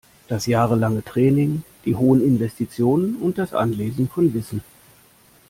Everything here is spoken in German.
Das jahrelange Training, die hohen Investitionen und das Anlesen von Wissen?